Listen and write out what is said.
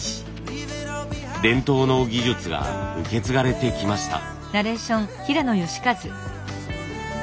伝統の技術が受け継がれてきました。